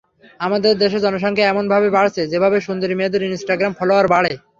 আমাদের দেশের জনসংখ্যা এমন ভাবে বাড়ছে, যেভাবে সুন্দরী মেয়েদের ইন্সটাগ্রাম ফলোয়াড় বাড়ে।